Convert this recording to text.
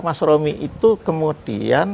mas romi itu kemudian